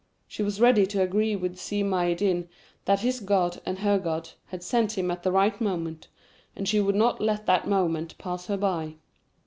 She was ready to agree with Si Maïeddine that his God and her God had sent him at the right moment, and she would not let that moment pass her by.